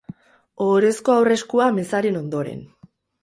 Ohorezko aurreskua mezaren ondoren.